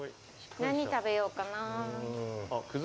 何食べようかな。